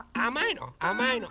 あまいの？